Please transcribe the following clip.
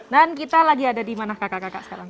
dan kita lagi ada di mana kakak kakak sekarang